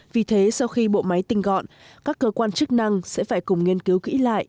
vì thế sau khi bộ máy tinh gọn các cơ quan chức năng sẽ phải cùng nghiên cứu kỹ lại